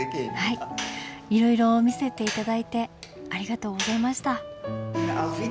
いろいろ見せて頂いてありがとうございました。